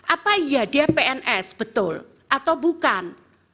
apa iya dia pns betul atau bukan